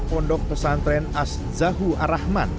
pondok pesantren as zahu arahman